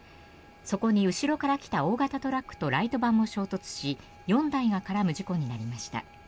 そこに、後ろから来た大型トラックとライトバンも衝突し４台が絡む事故になりました。